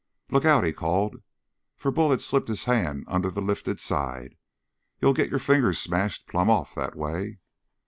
"Look out!" he called, for Bull had slipped his hand under the lifted side. "You'll get your fingers smashed plumb off that way."